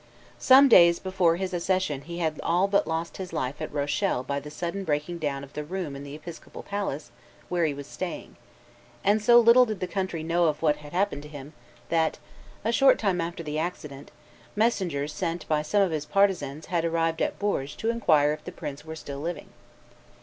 Some days before his accession he had all but lost his life at Rochelle by the sudden breaking down of the room in the episcopal palace where he was staying; and so little did the country know of what happened to him that, a short time after the accident, messengers sent by some of his partisans had arrived at Bourges to inquire if the prince were still living.